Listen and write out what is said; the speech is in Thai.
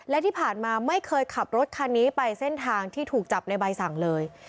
และที่ผ่านมาไม่เคยขับรถคันนี้ไปเส้นทางที่ถูกจับในใบสั่งเลย